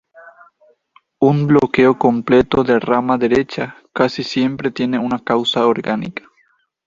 Un bloqueo completo de rama derecha casi siempre tiene una causa orgánica.